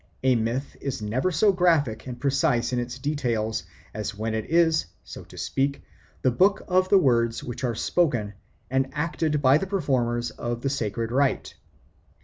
A myth is never so graphic and precise in its details as when it is, so to speak, the book of the words which are spoken and acted by the performers of the sacred rite.